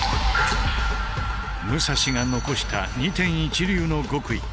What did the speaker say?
武蔵が残した二天一流の極意。